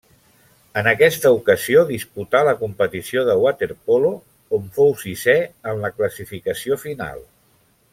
En aquesta ocasió disputà la competició de waterpolo, on fou sisè en la classificació final.